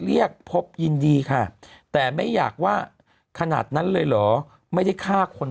เรียกพบยินดีค่ะแต่ไม่อยากว่าขนาดนั้นเลยเหรอไม่ได้ฆ่าคน